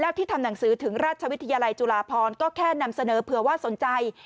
แล้วที่ทำหนังสือถึงราชวิทยาลัยจุฬาพรก็แค่นำเสนอเผื่อว่าสนใจ